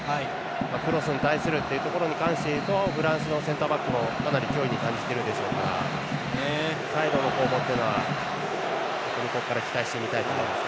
クロスに対するということに関していうとフランスのセンターバックもかなり脅威に感じてるでしょうからサイドの攻防は期待してみたいと思います